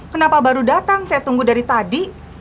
kenapa baru datang saya tunggu dari tadi